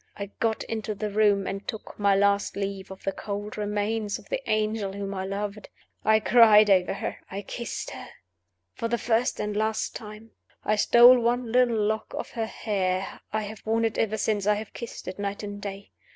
I got into the room, and took my last leave of the cold remains of the angel whom I loved. I cried over her. I kissed her. for the first and last time. I stole one little lock of her hair. I have worn it ever since; I have kissed it night and day.